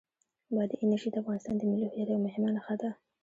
بادي انرژي د افغانستان د ملي هویت یوه مهمه نښه ده.